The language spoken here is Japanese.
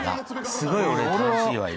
すごい俺楽しいわ今。